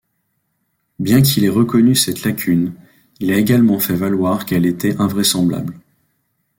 Bien qu'il ait reconnu cette lacune, il a également fait valoir qu'elle était invraisemblable.